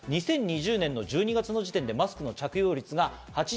２０２０年の１２月の時点でマスクの着用率が８９％。